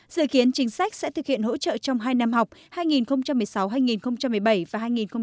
dự kiến chính sách sẽ thực hiện hỗ trợ trong hai năm học hai nghìn một mươi sáu hai nghìn một mươi bảy và hai nghìn một mươi bảy hai nghìn một mươi tám